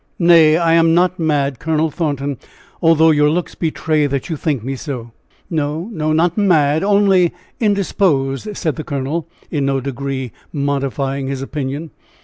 Nay, I am not mad, Colonel Thornton, although your looks betray that you think me so." "No, no, not mad, only indisposed," said the colonel, in no degree modifying his opinion.